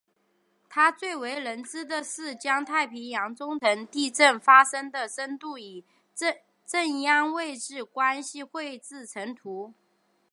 他最为人所知的是将太平洋中深层地震发生的深度与震央位置关系绘制成图。